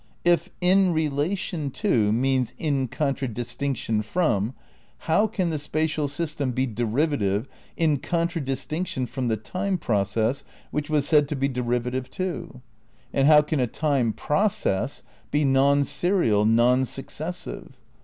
If "in re lation to" means "in contradistinction from," how can the spatial system be derivative in contradistinction from the time process which was said to be derivative too? And how can a time process be non serial, non successive?